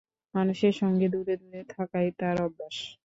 মানুষের সঙ্গে দূরে দূরে থাকাই তাঁর অভ্যাস।